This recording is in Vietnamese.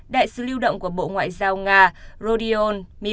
đại sứ lưu động của bộ ngoại giao nga rodion miro